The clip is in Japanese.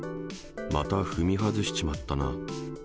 また踏み外しちまったな。